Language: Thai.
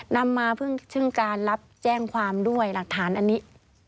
นำมาเพิ่งการรับแจ้งความด้วยหลักฐานอันนี้